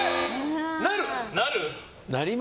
なる？